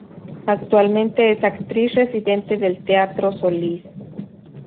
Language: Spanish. Actualmente es actriz residente del Teatro Solís.